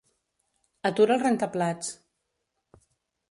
Atura el rentaplats.